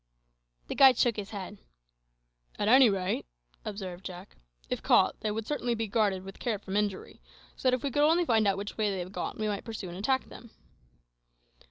The guide shook his head. "At any rate," observed Jack, "if caught they would certainly be guarded with care from injury; so that if we could only find out which way they have gone, we might pursue and attack them."